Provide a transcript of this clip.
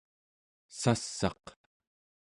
sass'aq